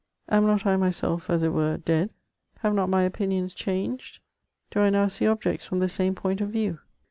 Am not I myself, as it were, dead ? Have not my CHATEAUBRIAND. 449 opinions changed ? Do I now see objects from the same point of view